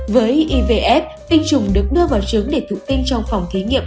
với ivf tinh trùng được đưa vào trứng để thụ tinh trong phòng thí nghiệm